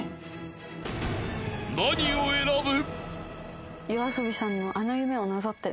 ［何を選ぶ？］